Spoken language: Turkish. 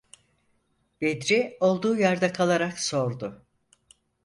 Bedri olduğu yerde kalarak sordu: